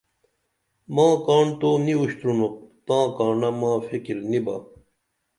ماں کاڻ تو نی اُشتُرونُپ تاں کاڻہ ماں فِکِر نی با